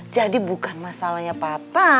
jadi bukan masalahnya papa